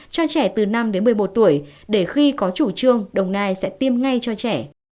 cho trẻ từ năm đến một mươi một tuổi để khi có chủ trương đồng nai sẽ tiêm ngay cho trẻ